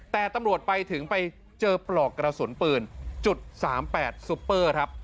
แต่ตำรวจไปถึงไปเจอปลอกกระสุนปืน๓๘ซุปเปอร์ครับ